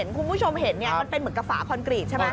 คุณผู้ชมเห็นไหมว่าเป็นเหมือนกระฟาคอนกรีตใช่ไหม